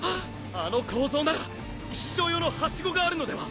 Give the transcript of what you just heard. あの構造なら非常用のはしごがあるのでは？